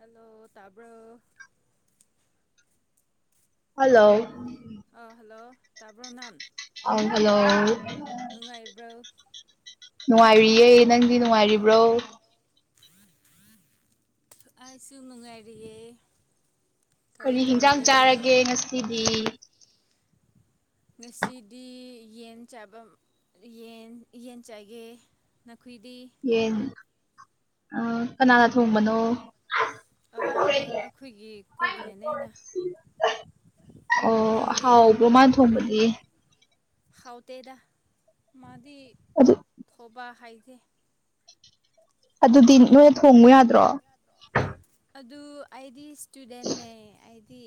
Hello hello ꯑ hello ꯇꯥꯕꯔꯣ꯫ ꯅꯪ ꯑ ꯍꯜꯂꯣ ꯅꯨꯡꯉꯥꯏꯔꯤꯌꯦ ꯅꯪꯗꯤ ꯅꯨꯡꯉꯥꯏꯔꯤꯕ꯭ꯔꯣ ꯑꯁꯨ ꯅꯨꯡꯉꯥꯏꯔꯤꯌꯦ ꯀꯔꯤ ꯍꯤꯟꯖꯥꯡ ꯆꯥꯔꯒꯦ ꯉꯁꯤꯗꯤ ꯉꯁꯤꯗꯤ ꯌꯦꯟ ꯆꯥꯕ ꯌꯦꯟ ꯌꯦꯟ ꯆꯥꯏꯒꯦ ꯌꯦꯟ ꯑ ꯀꯅꯥꯅ ꯊꯣꯡꯕꯅꯣ ꯑꯩꯈꯣꯏꯒꯤ ꯀꯨꯞꯅꯦꯅꯦꯩꯅ ꯑꯣ ꯍꯥꯎꯕ꯭ꯔꯣ ꯃꯥꯅ ꯊꯣꯡꯕꯗꯤ ꯍꯥꯎꯇꯦꯗ ꯃꯥꯗꯤ ꯊꯣꯕꯥ ꯍꯥꯏꯖꯦ ꯑꯗꯨꯗꯤ ꯅꯣꯏꯅ ꯊꯣꯡꯉꯨ ꯌꯥꯗ꯭ꯔꯣ ꯑꯗꯨ ꯑꯩꯗꯤ ꯏꯁꯇꯨꯗꯦꯟꯅꯦ ꯑꯩꯗꯤ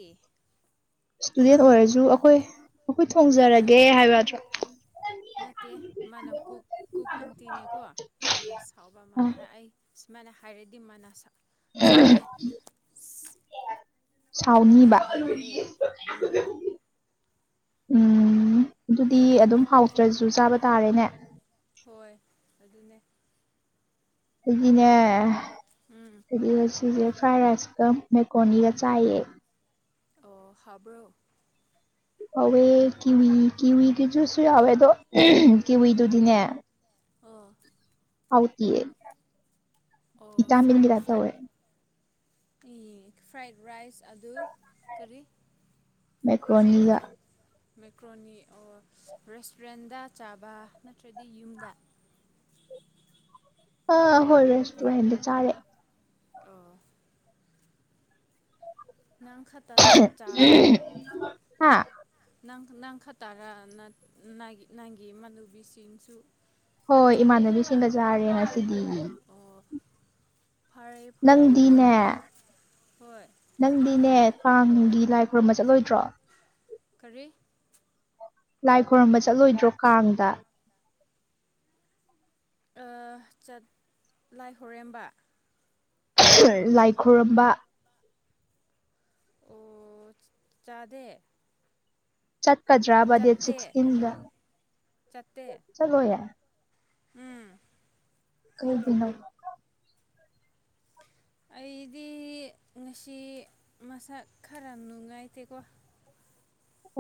ꯏꯁꯇꯨꯗꯦꯟ ꯑꯣꯏꯔꯁꯨ ꯑꯩꯈꯣꯏ ꯑꯩꯈꯣꯏ ꯊꯣꯡꯖꯔꯒꯦ ꯍꯥꯏꯕꯗ꯭ꯔꯣ ꯅꯠꯇꯦ ꯃꯥꯅ ꯀꯨꯛ ꯀꯨꯛ ꯑꯟꯇꯤꯅꯦꯀꯣ ꯃꯥꯅ ꯁꯥꯎꯕ ꯑꯃ ꯑꯩ ꯃꯥꯅ ꯍꯥꯏꯔꯗꯤ ꯃꯥꯅ ꯁꯛꯑꯒꯦ ꯁꯥꯎꯅꯤꯕ ꯎꯝ ꯑꯗꯨꯗꯤ ꯑꯗꯨꯝ ꯍꯥꯎꯇ꯭ꯔꯁꯨ ꯆꯥꯕ ꯇꯥꯔꯦꯅꯦ ꯍꯣꯏ ꯑꯗꯨꯅꯦ ꯁꯤꯗꯤꯅꯦ ꯐꯗꯤꯁꯤ ꯐ꯭ꯔꯥꯏ ꯔꯥꯏꯁꯀ ꯃꯦꯛꯀꯣꯅꯤꯒ ꯆꯥꯏꯌꯦ ꯑꯣ ꯍꯥꯕ꯭ꯔꯣ [inaudible] ꯍꯋ ꯀꯤ ꯀꯤ ꯀꯗꯨꯁꯨꯏꯦꯗꯣ ꯀꯤꯋꯤꯗꯨꯗꯤꯅꯦ ꯑꯥꯎꯇꯌꯦ ꯏꯇꯥꯃꯤꯅꯤꯔꯇ ꯇꯥꯠ ꯇꯧꯏ ꯐ꯭ꯔꯥꯏꯠ ꯔꯥꯏꯁ ꯑꯗꯨ ꯀꯔꯤ ꯃꯀ꯭ꯔꯣꯅꯤꯖ ꯃꯦꯀ꯭ꯔꯣꯅꯤ ꯔꯦꯁꯇꯨꯔꯦꯟꯗ ꯆꯥꯕ ꯅꯠꯇ꯭ꯔꯗꯤ ꯌꯨꯝꯗ ꯑ ꯍꯣꯏꯁꯣ ꯍꯗ ꯆꯥꯔꯦ ꯑ ꯅꯪ ꯈꯛꯇ ꯆꯥꯕ ꯅꯪ ꯅꯪ ꯈ ꯇꯔ ꯅꯪꯒꯤ ꯏꯃꯥꯟꯅꯨꯕꯤꯁꯤꯡꯁꯨ ꯍꯣꯏ ꯏꯃꯥꯟꯅꯕꯤꯁꯤꯡꯒ ꯆꯥꯔꯦ ꯉꯁꯤꯗꯤ ꯅꯪꯗꯤꯅꯦ ꯅꯪꯗꯤꯅꯦ ꯀꯥꯡꯒꯤ ꯂꯥꯏ ꯈꯨꯔꯨꯝꯕ ꯆꯠꯂꯣꯏꯗ꯭ꯔꯣ ꯀꯔꯤ ꯂꯥꯏ ꯈꯣꯏꯔꯝꯕ ꯆꯠꯂꯣꯏꯗ꯭ꯔꯣ ꯀꯥꯡꯗ ꯠ ꯂꯥꯏ ꯍꯔꯦꯝꯕ ꯂꯥꯏ ꯈꯨꯔꯝꯕ ꯑꯣ ꯆꯥꯗ ꯆꯠꯀꯗ꯭ꯔꯥꯕ ꯗꯦꯠ ꯁꯤꯛꯁꯇꯤꯟꯗ ꯆꯣ ꯌꯥ ꯀꯗꯅꯣ ꯑꯩꯗꯤ ꯉꯁꯤ ꯃꯁꯛ ꯈꯔ ꯅꯨꯡꯉꯥꯏꯇꯦꯀꯣ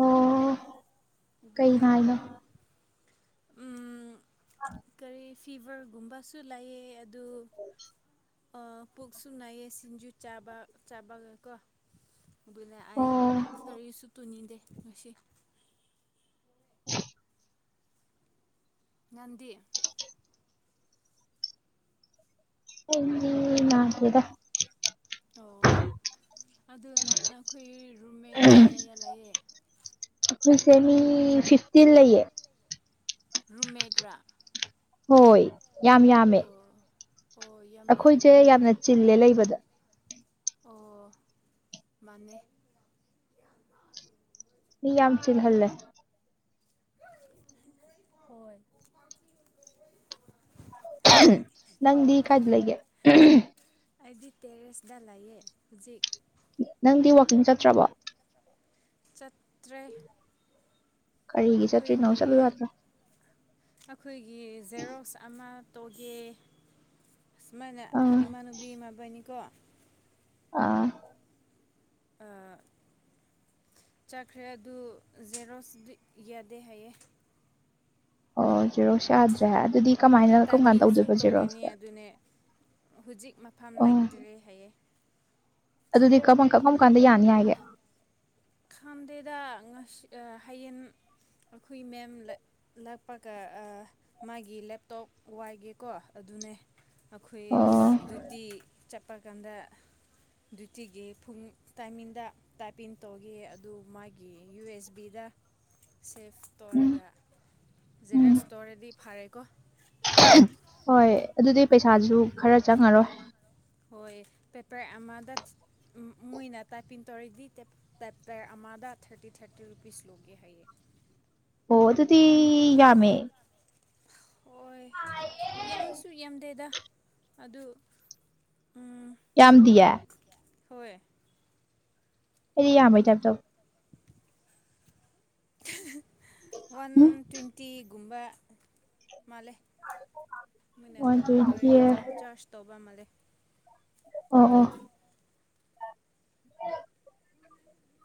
ꯑꯣ ꯀꯩꯅꯅ ꯀꯔꯤ ꯐꯤꯚꯔꯒꯨꯝꯕꯁꯨ ꯂꯩꯑ ꯑꯗꯨ ꯄꯨꯛꯁꯨ ꯅꯥꯏꯌꯦ ꯁꯤꯡꯖꯨ ꯆꯥꯕ ꯆꯥꯕꯒ ꯀꯣ ꯑꯗꯨꯏꯅꯦ ꯑꯩ ꯀꯔꯤꯁꯨ ꯇꯨꯅꯤꯡꯗꯦ ꯉꯁꯤ ꯉꯟꯗꯤ ꯍ ꯂ ꯀꯦꯗ ꯑꯣ ꯑꯗꯨ ꯅꯈꯣꯏ ꯔꯨꯝꯃꯦꯠꯅꯤ ꯀꯌꯥ ꯂꯩꯑꯦ ꯃꯁꯦ ꯃꯤ ꯐꯤꯐꯇꯤꯟ ꯂꯩꯌꯦ ꯔꯨꯃꯦꯗ꯭ꯔꯥ ꯍꯣꯏ ꯌꯥꯝ ꯌꯥꯝꯃꯦ ꯑꯩꯈꯣꯏꯁꯦ ꯌꯥꯝꯅ ꯆꯤꯜꯂꯦ ꯂꯩꯕꯗ ꯑꯣ ꯃꯥꯅꯦ ꯃꯤ ꯌꯥꯝꯆ ꯍꯜꯂꯦ ꯍꯣꯏ ꯅꯪꯗꯤ ꯀꯥꯏꯗ ꯂꯩꯒꯦ ꯑꯩꯗꯤ ꯇꯦꯔꯦꯁꯇ ꯂꯩꯌꯦ ꯍꯧꯖꯤꯛ ꯅꯪꯗꯤ ꯋꯥꯋꯥꯛꯀꯤꯡ ꯆꯠꯇ꯭ꯔꯕꯣ ꯆꯥꯠꯇ꯭ꯔꯦ ꯑꯩꯈꯣꯏꯒꯤ ꯑꯩꯈꯣꯏꯒꯤ ꯖꯦꯔꯣꯛꯁ ꯑꯃ ꯇꯣꯒꯦ ꯑꯨꯃꯥꯏꯅ ꯏꯃꯥꯟꯅꯨꯕꯤ ꯏꯃꯕꯥꯅꯤꯀꯣ ꯑꯥ ꯑ ꯆꯥꯈ꯭ꯔꯦ ꯑꯗꯨ ꯖꯦꯔꯣꯁꯨ ꯌꯥꯗꯦ ꯍꯥꯏꯌꯦꯦ ꯑꯣ ꯖꯦꯔꯣꯛꯁ ꯌꯥꯗ꯭ꯔꯦ ꯑꯗꯨꯗꯤ ꯀꯃꯥꯏꯅ ꯀꯔꯝ ꯀꯥꯟ ꯇꯧꯗꯣꯏꯕ ꯖꯦꯔꯣꯛꯁꯦ ꯍꯧꯖꯤꯛ ꯃꯐꯝ ꯂꯩꯇ꯭ꯔꯦ ꯍꯥꯏꯌꯦꯦ ꯑꯗꯨꯗꯤ ꯀꯃ ꯀꯝꯃꯝ ꯀꯥꯟꯗ ꯌꯥꯅꯤ ꯍꯥꯏꯒꯦ ꯈꯥꯝꯗꯦꯗ ꯉꯁꯤ ꯍꯌꯦꯡ ꯑꯩꯈꯣꯏ ꯃꯦꯝ ꯂꯥꯛꯄꯒ ꯃꯥꯒꯤ ꯂꯦꯞꯇꯣꯞ ꯋꯥꯏꯒꯦꯀꯣ ꯑꯗꯨꯅꯦ ꯑꯩꯈꯣꯏ ꯗ꯭ꯌꯨꯇꯤ ꯆꯠꯄ ꯀꯥꯟꯗ ꯗ꯭ꯌꯨꯇꯤꯒꯤ ꯐꯨꯡ ꯇꯥꯏꯃꯤꯡꯗ ꯇꯥꯏꯞ ꯏꯟ ꯇꯧꯈꯤ ꯑꯗꯨ ꯃꯥꯒꯤ ꯌꯨ ꯑꯦꯁ ꯕꯤꯗ ꯁꯦꯐ ꯇꯧꯔꯒ ꯖꯦꯔꯦꯛ ꯁꯇꯣꯔꯗꯤ ꯐꯥꯔꯦꯀꯣ ꯍꯣꯏ ꯑꯗꯨꯗꯤ ꯄꯩꯁꯥꯁꯨ ꯈꯔ ꯆꯪꯉꯔꯣꯏ ꯍꯣꯏ ꯄꯦꯄꯔ ꯑꯃꯥꯗ ꯃꯣꯏꯅ ꯇꯥꯏ ꯄꯇꯔꯗꯤ ꯇ ꯇꯦꯞꯔ ꯑꯃꯥ ꯗꯗꯥ ꯊꯥꯔꯇꯤ ꯊꯥꯔꯇꯤ ꯔꯨꯄꯤꯁ ꯂꯧꯒꯦ ꯍꯥꯏꯌꯦ ꯑꯣ ꯑꯗꯨꯗꯤ ꯌꯥꯝꯃꯦ ꯍꯣꯏ ꯌꯥꯝꯁꯨ ꯌꯥꯝꯗꯦꯗ ꯑꯗꯨ ꯆꯗꯤ ꯑꯦ ꯍꯣꯏ ꯑꯦꯗꯤ ꯌꯥꯝꯣꯏ ꯊꯗꯣ ꯋꯥꯟ ꯇ꯭ꯋꯦꯟꯇꯤꯒꯨꯝꯕ ꯃꯥꯂꯦ ꯃꯅ ꯇꯄꯤꯤꯟ ꯇꯧꯏꯗꯤ ꯆꯥꯔꯖ ꯇꯧꯕ ꯑꯃꯜꯂꯦ ꯑꯩꯈꯣꯏꯒꯤ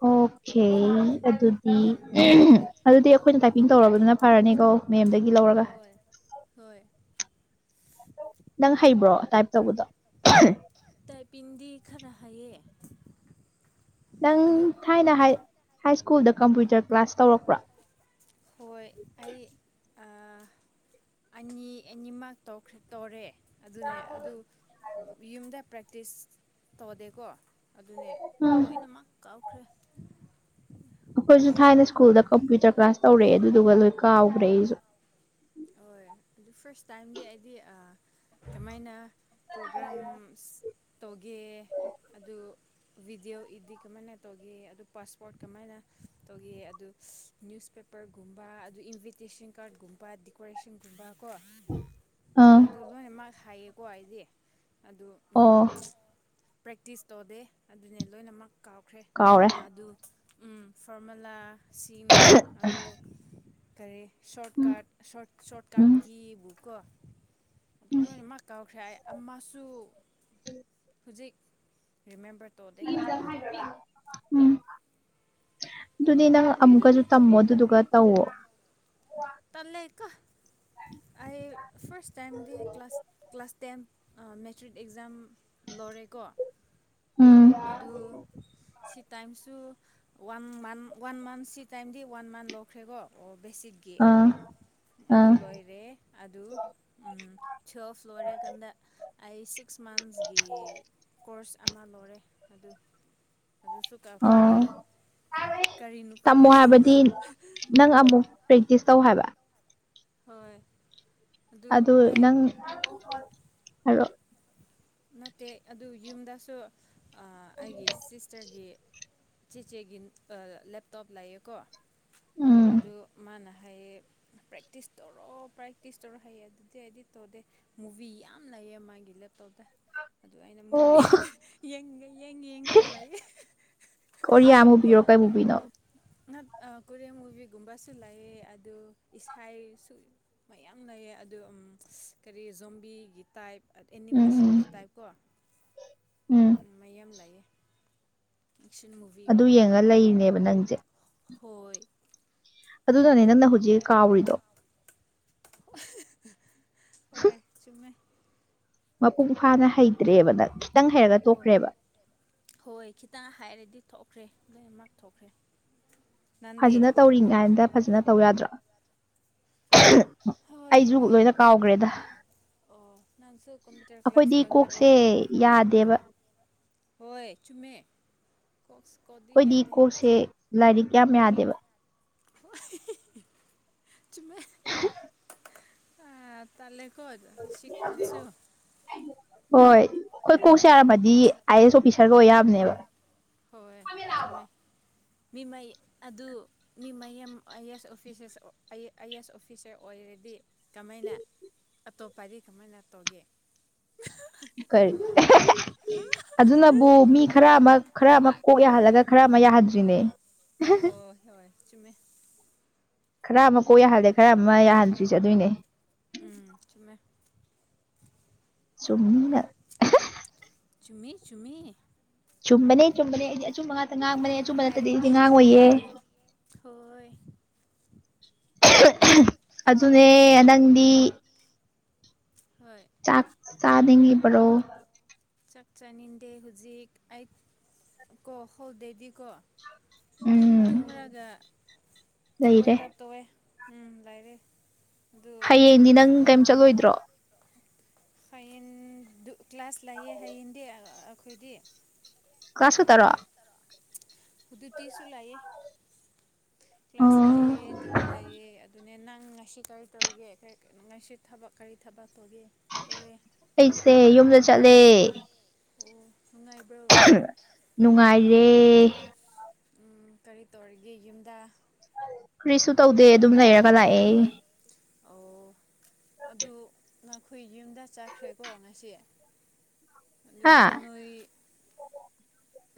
ꯑ ꯑꯣꯀꯦ ꯑꯗꯨꯗꯤ ꯑꯗꯨꯗꯤ ꯑꯩꯈꯣꯏꯅ ꯇꯥꯏꯄꯤꯡ ꯇꯧꯔꯕꯅꯤꯅ ꯐꯔꯅꯤꯀꯣ ꯃꯦꯝꯗꯒꯤ ꯂꯧꯔꯒ ꯅꯪ ꯍꯩꯕ꯭ꯔꯣ ꯇꯥꯏꯞ ꯇꯧꯕꯗꯣ ꯇꯥꯏꯄꯤꯡꯗꯤ ꯈꯔ ꯍꯥꯏꯌꯦ ꯅꯪ ꯊꯥꯏꯅ ꯍꯥꯏ ꯁ꯭ꯀꯨꯜꯗ ꯀꯝꯄ꯭ꯌꯨꯇꯔ ꯀ꯭ꯂꯥꯁ ꯇꯧꯔꯛꯄ꯭ꯔꯥ ꯍꯣꯏ ꯑꯩ ꯑꯅꯤ ꯑꯅꯤꯃꯛ ꯇꯧꯈ꯭ꯔ ꯇꯧꯔꯦ ꯑꯗꯨꯅꯦ ꯑꯗꯨ ꯌꯨꯝꯗ ꯄ꯭ꯔꯦꯛꯇꯤꯁ ꯇꯧꯗꯦꯀꯣ ꯑꯗꯨꯅꯦ ꯂꯣꯏꯅꯃꯛ ꯀꯥꯎꯈ꯭ꯔꯦ ꯑꯩꯈꯣꯏꯁꯨ ꯊꯥꯏꯅ ꯁ꯭ꯀꯨꯜꯗ ꯀꯝꯄ꯭ꯌꯨꯇꯔ ꯀ꯭ꯂꯥꯁ ꯇꯧꯔꯛꯑꯦ ꯑꯗꯨꯗꯨꯒ ꯂꯣꯏ ꯀꯥꯎꯈ꯭ꯔꯦ ꯑꯩꯁꯨ ꯑꯗꯨ ꯐꯥꯔꯁ ꯇꯥꯏꯝꯗꯤ ꯑꯩꯗꯤ ꯀꯃꯥꯏꯅ ꯄ꯭ꯔꯣꯒ꯭ꯔꯥꯝ ꯇꯒꯦ ꯑꯗꯨ ꯚꯤꯗꯤꯑꯣ ꯏꯗꯤꯠ ꯀꯃꯥꯏꯅ ꯇꯧꯒꯦ ꯑꯗꯨ ꯄꯥꯁꯄꯣꯔꯠ ꯀꯃꯥꯏꯅ ꯇꯧꯒ ꯑꯗꯨ ꯅ꯭ꯌꯨꯁꯄꯦꯄꯔꯒꯨꯝꯕ ꯑꯗꯨ ꯏꯟꯚꯤꯇꯦꯁꯟ ꯀꯥꯔꯠꯒꯨꯝꯕ ꯀꯀꯣꯔꯦꯁꯟꯒꯨꯝꯕꯀꯣ ꯑꯗꯨ ꯂꯣꯏꯅꯃꯛ ꯍꯥꯏꯌꯦꯀꯣ ꯑꯩꯗꯤ ꯑꯗꯨ ꯄ꯭ꯔꯦꯛꯇꯤꯁ ꯇꯧꯗꯦ ꯑꯗꯨꯅꯦ ꯂꯣꯏꯅꯃꯛ ꯀꯥꯎꯈ꯭ꯔꯦ ꯑꯗꯨ ꯐꯣꯔꯃꯨꯂꯥ ꯁꯤꯝ ꯑ ꯀꯔꯤ ꯁꯣꯔꯠ ꯀꯠ ꯁꯣꯔꯠ ꯀꯥꯠꯀꯤꯕꯨ ꯀꯨꯀꯣ ꯑꯗꯨ ꯂꯣꯏꯅꯃꯛ ꯀꯥꯎꯈ꯭ꯔꯦ ꯑꯩ ꯑꯃꯁꯨ ꯍꯧꯖꯤꯛ ꯔꯦꯃꯦꯝꯕꯤ ꯊꯖ ꯍꯥꯏ [inaudible] ꯎꯝ ꯑꯗꯨꯗꯤ ꯅꯪ ꯑꯃꯨꯛꯀꯁꯨ ꯇꯝꯃꯣ ꯑꯗꯨꯗꯨꯒ ꯇꯧꯋꯣ ꯇꯂꯦ ꯀꯦ ꯑꯩ ꯐꯥꯁ ꯇꯥꯝꯗꯤ class class ten matric exam ꯂꯧꯔꯦꯀꯣ ꯑꯗꯨ ꯁꯤ ꯇꯥꯏꯝꯁꯨ ꯋꯥꯟ ꯃꯟ ꯋꯥꯟ ꯃꯟ ꯁꯤ ꯇꯥꯏꯝꯗꯤ ꯋꯥꯟ ꯃꯟ ꯂꯧꯈ꯭ꯔꯦꯀꯣ ꯑꯣ ꯕꯦꯁꯤꯡ ꯑ [inaudible] ꯑꯗꯨ ꯂꯣꯏꯔꯦ ꯑꯗꯨ ꯎꯝ ꯇꯨꯋꯦꯞ ꯂꯣꯏꯔꯀꯥꯟꯗ ꯑꯩ ꯁꯤꯛꯁ ꯃꯟꯁꯀꯤ ꯀꯣꯔꯁ ꯑꯃ ꯂꯧꯔꯦ ꯑꯗꯨ ꯑꯗꯨꯁꯨ ꯀꯥꯎꯈ꯭ꯔꯦ ꯌꯦꯡꯉꯣ ꯇꯝꯃꯣ ꯍꯥꯏꯕꯗꯤ ꯅꯪ ꯑꯃꯨꯛ ꯄ꯭ꯔꯦꯛꯇꯤꯁ ꯇꯧ ꯍꯥꯏꯕ ꯍꯣꯏ ꯑꯗꯨ ꯅꯪ ꯍꯥꯏꯔꯛꯑꯣ ꯅꯠꯇꯦ ꯑꯗꯨ ꯌꯨꯝꯗꯁꯨ ꯑꯩꯒꯤ ꯁꯤꯁꯇꯔꯒꯤ ꯆꯦꯆꯦꯒꯤ ꯂꯦꯞꯇꯣꯞ ꯂꯥꯛꯌꯦꯀꯣ ꯑꯗꯨ ꯃꯥꯅ [unintelligible] ꯄ꯭ꯔꯦꯛꯇꯤꯁ ꯇꯧꯔꯣ ꯄ꯭ꯔꯦꯛꯇꯤꯁ ꯇꯧꯔꯣ ꯍꯩꯌꯦ ꯑꯗꯨꯗꯤ ꯑꯩꯗꯤꯠ ꯇꯧꯗꯦ ꯃꯨꯚꯤ ꯌꯥꯝ ꯂꯩꯩꯌꯦ ꯃꯥꯒꯤ ꯂꯦꯞꯇꯣꯞꯇ ꯑꯗꯨ ꯑꯩꯅ ꯃꯨꯚꯤ ꯌꯦꯡꯒ ꯌꯦꯡ ꯌꯦꯡꯒꯦ ꯂꯥꯛꯑꯦ ꯀꯣꯔꯤꯋꯥ ꯃꯨꯚꯤꯔꯣ ꯀꯔꯤ ꯃꯨꯕꯤꯅꯣ ꯀꯨꯔꯦꯟ ꯃꯨꯚꯤꯒꯨꯝꯕꯁꯨ ꯂꯩ ꯑꯗꯨ ꯏꯁꯥꯏꯁꯨ ꯃꯌꯥꯝ ꯂꯩ ꯑꯗꯨ ꯀꯔꯤ ꯖꯣꯝꯕꯤꯒꯤ ꯇꯥꯏꯞ ꯑꯦꯅꯤꯃꯦꯁꯟꯒꯤ ꯇꯥꯏꯞꯀꯣ ꯃꯌꯥꯝ ꯂꯩꯌꯦ ꯑꯗꯨ ꯌꯦꯡꯉ ꯂꯩꯔꯤꯅꯦꯕ ꯅꯪꯁꯦ ꯍꯣꯏ ꯑꯗꯨꯅꯅꯦ ꯅꯪꯅ ꯍꯧꯖꯤꯛ ꯀꯥꯎꯔꯤꯗꯣ ꯍꯣꯏ ꯆꯨꯝꯃꯦ ꯃꯄꯨꯡ ꯐꯥꯅ ꯍꯩ ꯍꯩꯇꯔ꯭ꯦꯕꯥ ꯈꯤꯇꯪ ꯍꯩꯔꯒ ꯇꯣꯛꯈ꯭ꯔꯦꯕ ꯊꯣꯛꯈ꯭ꯔꯦ ꯂꯣꯏꯅꯃꯛ ꯊꯣꯛꯈ꯭ꯔꯦ ꯐꯖꯅ ꯇꯧꯔꯤꯉꯥꯏꯗ ꯐꯖꯅ ꯇꯧ ꯌꯥꯗ꯭ꯔꯣ ꯑꯩꯁꯨ ꯂꯣꯏꯅ ꯀꯥꯎꯈ꯭ꯔꯦꯗ ꯑꯩꯈꯣꯏꯗꯤ ꯀꯣꯛꯁꯦ ꯌꯥꯗꯦꯕ ꯍꯣꯏ ꯆꯨꯝꯃꯦ ꯑꯩꯈꯣꯏꯗꯤ ꯀꯣꯛꯁꯦ ꯂꯥꯏꯔꯤꯛ ꯌꯥꯝ ꯌꯥꯗꯦꯕ ꯃ [inaudible] [unintelligible] ꯑ ꯇꯜꯂꯦꯀꯣ ꯁꯤꯒꯤ ꯀꯣꯛꯁꯦ [inaudible] ꯍꯣꯏ ꯑꯩꯈꯣꯏ ꯀꯣꯛꯁꯦ ꯌꯥꯔꯝꯃꯗꯤ ꯑꯥꯏ ꯑꯦ ꯑꯦꯁ ꯑꯣꯐꯤꯁꯥꯔꯒ ꯑꯣꯏ ꯌꯥꯕꯅꯦꯕ ꯍꯣꯏ ꯆꯨꯝꯃꯦ ꯃꯤ ꯃ ꯑꯗꯨ ꯃꯤ ꯃꯌꯥꯝ ꯑꯥꯏ ꯑꯦꯁ ꯑꯣꯐꯤꯁꯦ ꯑꯥꯏ ꯑꯦ ꯑꯦꯁ ꯑꯣꯐꯤꯁꯦ ꯑꯣꯏꯔꯗꯤ [inaudible] ꯀꯃꯥꯏꯅ ꯑꯇꯣꯞꯄꯗꯤ ꯀꯃꯥꯏꯅ ꯇꯧꯒꯦ ꯑꯗꯨꯅꯕꯨ ꯃꯤ ꯈꯔ ꯑꯃ ꯈꯔ ꯑꯃ ꯀꯣꯛ ꯌꯥꯍꯜꯂꯒ ꯈꯔ ꯑꯃ ꯌꯥꯍꯟꯗ꯭ꯔꯤꯅꯦ [unintelligible] ꯆꯃꯦ ꯈꯔ ꯑꯃ ꯀꯣꯛ ꯌꯥꯍꯜꯂꯦ ꯈꯔ ꯑꯃ ꯌꯥꯍꯟꯗ꯭ꯔꯤꯁꯦ ꯑꯗꯨꯏꯅꯦ ꯆꯨꯝꯅꯤ ꯅꯪ ꯆꯨꯝꯃꯤ ꯆꯨꯝꯃꯤ ꯆꯨꯝꯕꯅꯦ ꯆꯨꯝꯕꯅꯦ ꯅꯪꯅ ꯍꯥꯏꯔꯗꯤ ꯆꯃꯦ ꯍꯣꯏ ꯑꯗꯨꯅꯦ ꯅ ꯅꯪꯗꯤ ꯆꯥꯛ ꯆꯗꯉꯤꯕ꯭ꯔꯣ ꯆꯥꯛ ꯆꯥꯅꯤꯡꯗꯦ ꯍꯧꯖꯤꯛ ꯑꯩ ꯀꯣ ꯍꯧꯗꯦꯗꯤꯀꯣ ꯇꯨꯝ ꯇꯨꯝꯔꯒ ꯑꯣꯚꯔꯀꯞ ꯇꯧꯋꯦ ꯎꯝ ꯂꯥꯏꯔꯦ ꯍꯌꯦꯡꯗꯤ ꯅꯪ ꯀꯩꯝ ꯆꯠꯂꯣꯏꯗ꯭ꯔꯣ ꯍꯌꯦꯡ ꯀ꯭ꯂꯥꯁ ꯂꯥꯛꯑꯦ ꯍꯌꯦꯡꯗꯤ ꯑꯩꯈꯣꯏꯗꯤ ꯍꯧꯗꯨꯇꯤꯁꯨ ꯂꯏꯌꯦ ꯀ꯭ꯂꯥꯁ ꯂꯥꯛꯑꯦ ꯗ꯭ꯌꯨꯇꯤ ꯂꯩꯑꯦ ꯑꯗꯨꯅꯦ ꯅꯪ ꯉꯁꯤ ꯀꯔꯤ ꯇꯧꯔꯤꯒꯦ ꯉꯁꯤ ꯊꯕꯛ ꯀꯔꯤ ꯊꯕ ꯇꯧꯒꯦ ꯇꯧꯔꯦ ꯑꯩꯁꯦ ꯌꯨꯝꯗ ꯆꯠꯂꯦ ꯅꯨꯡꯉꯥꯏꯔꯦ ꯎꯝ ꯀꯔꯤ ꯇꯧꯔꯤꯒꯦ ꯌꯨꯝꯗ ꯀꯔꯤꯁꯨ ꯇꯧꯗꯦ ꯑꯗꯨꯝ ꯂꯩꯔꯒ ꯂꯥꯛꯑꯦ ꯑꯗꯨ ꯅꯈꯣꯏ ꯌꯨꯝꯗ ꯆꯠꯈ꯭ꯔꯦꯀꯣ ꯉꯁꯤ ꯍꯥꯥ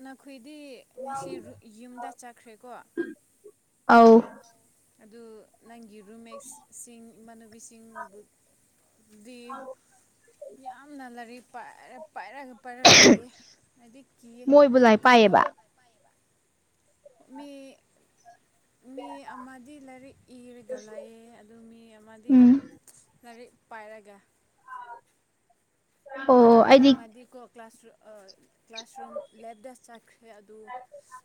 ꯅꯈꯣꯏꯗꯤ ꯉꯁꯤ ꯌꯨꯝꯗ ꯆꯠꯈ꯭ꯔꯦꯀꯣ ꯑꯥꯎ ꯑꯗꯨ ꯅꯪ ꯔꯨꯃꯦꯦꯛꯁ ꯁꯤꯡ ꯏꯃꯥꯟꯅꯕꯤ ꯁꯤꯡ ꯗꯤ ꯌꯥꯝ ꯌꯥꯝ ꯅꯂꯔꯤ ꯄꯥꯏꯔ ꯄꯥꯏꯔꯒ ꯄꯥꯏꯔꯒ ꯂꯥꯏꯑꯦ ꯍꯥꯏꯗꯤ ꯀꯤꯌꯦ ꯏ ꯀꯥꯏꯑ ꯃ ꯍ ꯃꯤ ꯑꯃꯗꯤ ꯂꯥꯏꯔꯤꯛ ꯏꯔꯒ ꯂꯩꯌꯦ ꯑꯗꯨ ꯃꯤ ꯑꯃꯗꯤ ꯂꯥꯏꯔꯤꯛ ꯄꯥꯏꯔꯒ [unintelligible] ꯑ ꯃꯤ ꯃꯗꯤ ꯀꯣ ꯀ꯭ꯂꯥꯁꯔ ꯀ꯭ꯂꯥꯁꯔꯨꯝ ꯂꯦꯞꯇ ꯆꯠꯈ꯭ꯔꯦ ꯑꯗꯨ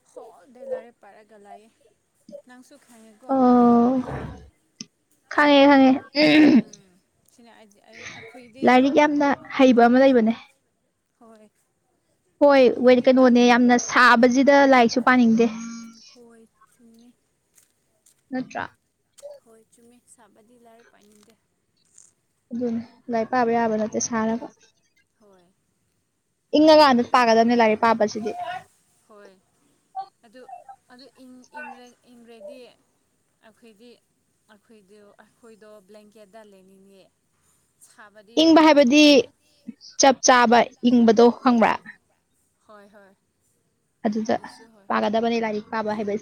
ꯍ ꯗꯦꯂꯥꯔꯦ ꯄꯔꯒ ꯂꯥꯏ ꯅꯪꯁꯨ ꯈꯥꯡꯉꯦꯀꯣ ꯀꯅꯥꯅꯣ ꯈꯪꯉꯦ ꯈꯪꯉꯦ ꯂꯥꯏꯔꯤꯛ ꯌꯥꯝꯅ ꯍꯩꯕ ꯑꯃ ꯂꯩꯕꯅꯦ ꯍꯣꯏ ꯍꯣꯏ ꯀꯩꯅꯣꯅꯦ ꯌꯥꯝꯅ ꯁꯥꯕꯁꯤꯗ ꯂꯥꯏꯔꯤꯛꯁꯨ ꯄꯥꯅꯤꯡꯗꯦ ꯅꯠꯇ꯭ꯔꯥ ꯍꯣꯏ ꯆꯨꯝꯃꯦ ꯁꯥꯕꯗꯤ ꯂꯥꯏꯔ ꯄꯥꯏꯅꯤꯡꯗꯦ ꯑꯗꯨꯅꯦ ꯂꯥꯏꯔꯤꯛ ꯄꯥꯕ ꯌꯥꯕ ꯅꯠꯇꯦ ꯁꯥꯅꯕ ꯏꯪꯉꯀꯥꯟꯗ ꯄꯥꯒꯗꯕꯅꯤ ꯂꯥꯛꯑꯦ ꯄꯥꯕꯁꯤꯗꯤ ꯑꯗꯨ ꯑꯗꯨ ꯏꯔꯗꯤ ꯑꯩꯈꯣꯏꯗꯤ ꯑꯩꯈꯣꯏꯗ ꯑꯩꯈꯣꯏꯗꯣ ꯕ꯭ꯂꯦꯡꯀꯦꯠꯇ ꯗ ꯂꯩꯅꯤꯡꯉꯦ ꯏꯪꯕ ꯍꯥꯏꯕꯗꯤ ꯆꯞ ꯆꯥꯕ ꯏꯪꯕꯗꯣ ꯍꯪꯕ꯭ꯔꯥ ꯍꯣꯏ ꯍꯣꯏ ꯑꯗꯨꯗ ꯄꯥꯒꯗꯕꯅꯦ ꯂꯥꯏꯔꯤꯛ ꯄꯥꯕ ꯍꯥꯏꯁ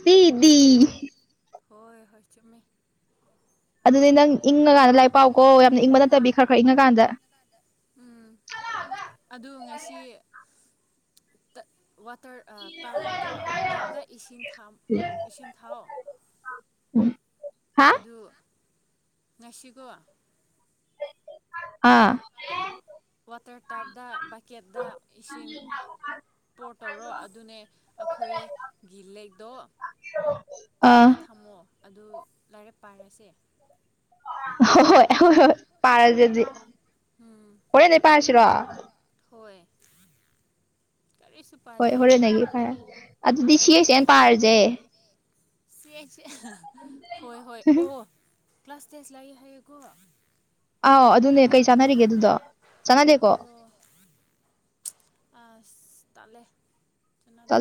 ꯍꯣꯏ ꯍꯣꯏ ꯆꯃꯦ ꯑꯗꯨꯗꯤ ꯅꯪ ꯏꯪꯉꯀꯥꯟꯗ ꯂꯥꯏꯔꯤꯛ ꯄꯥꯎ ꯀꯣ ꯌꯥꯝꯅ ꯏꯪꯕ ꯅꯠꯇꯕꯤ ꯈꯔ ꯈꯔ ꯏꯪꯉꯀꯥꯟꯗ ꯆꯂꯣ ꯍꯥꯏꯒ ꯑꯗ ꯉꯁꯤ ꯇꯔ ꯇꯞ ꯀꯣ ꯇꯞꯇ ꯏꯁꯤꯡ ꯏꯁꯤꯡ ꯊꯥꯎꯑꯣ ꯑꯗꯨ ꯉꯁꯤꯀꯣ ꯑꯥ ꯋꯥꯇꯔ ꯇꯞꯗ ꯀꯦꯠꯗꯥ ꯏꯁꯤꯡ ꯄꯣꯔꯠ ꯇꯧꯔꯣ ꯑꯗꯨꯅꯦ ꯑꯩꯈꯣꯏꯒꯤ ꯂꯩꯛꯇꯣ ꯇꯞꯇ ꯊꯝꯃꯣ ꯑꯗꯨ ꯂꯥꯏꯔꯛ ꯄꯥꯔꯁꯦ ꯍ ꯍꯣꯏ ꯍꯣꯏ ꯍꯣꯏ ꯄꯥꯔꯁꯦꯗꯤ ꯍꯣꯔꯦꯟꯗꯩ ꯄꯥꯔꯁꯤꯔꯣ ꯍꯣꯏ ꯍꯣꯔꯦꯟꯅꯒꯤ ꯐꯔꯦ ꯑꯗꯨꯗꯤ ꯁꯤꯈꯩꯁꯦ ꯑꯩꯅ ꯄꯥꯔꯁꯦ ꯁꯤꯁꯦ ꯍꯣꯏ ꯍꯣꯏ ꯑꯣ ꯀ꯭ꯂꯥꯁ ꯇꯦꯟꯁ ꯂꯥꯛꯑꯦ ꯍꯥꯏꯌꯦꯨꯀꯣ ꯑꯥꯎ ꯑꯗꯨꯅꯦ ꯀꯩ ꯆꯥꯟꯅꯔꯤꯒꯦ ꯑꯗꯨꯗꯣ ꯆꯥꯟꯅꯗꯦꯀꯣ ꯑ ꯇꯂꯦ ꯆꯅꯥꯗꯦ